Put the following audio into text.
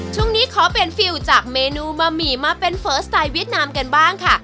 ช่วงนี้ขอเปลี่ยนฟิลจากเมนูบะหมี่มาเป็นเฟิร์สสไตล์เวียดนามกันบ้างค่ะ